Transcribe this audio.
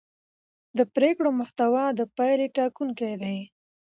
د پرېکړو محتوا د پایلې ټاکونکې ده